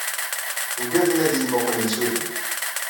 Ugaden ad iyi-mmuqqlen s udem.